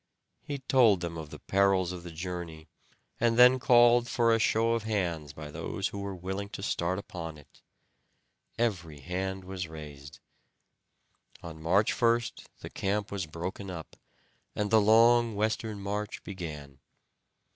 He told them of the perils of the journey, and then called for a show of hands by those who were willing to start upon it; every hand was raised. On March 1st the camp was broken up, and the long western march began.